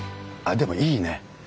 でもいいね。